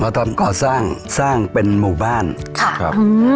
ทำก่อสร้างสร้างเป็นหมู่บ้านค่ะครับ